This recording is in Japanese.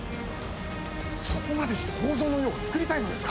そこまでして北条の世をつくりたいのですか。